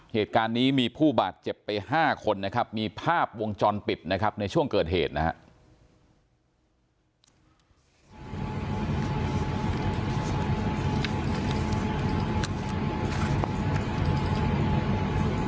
เหตุการณ์นี้มีผู้บาดเจ็บไป๕คนนะครับมีภาพวงจรปิดนะครับในช่วงเกิดเหตุนะครับ